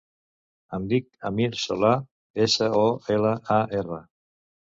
Em dic Amir Solar: essa, o, ela, a, erra.